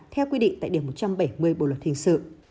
theo quy định tại điều một trăm bảy mươi bộ luật hình sự